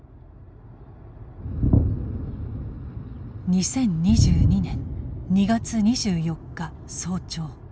２０２２年２月２４日早朝。